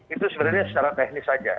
itu sebenarnya secara teknis saja